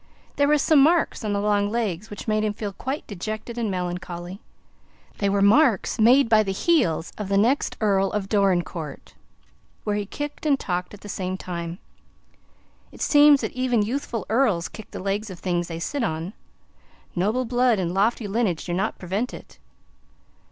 There were some marks on the long legs which made him feel quite dejected and melancholy. They were marks made by the heels of the next Earl of Dorincourt, when he kicked and talked at the same time. It seems that even youthful earls kick the legs of things they sit on; noble blood and lofty lineage do not prevent it.